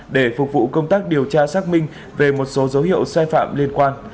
để phục vụ công tác điều tra xác minh về một số dấu hiệu sai phạm liên quan